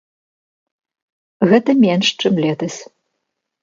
Гэта менш, чым летась.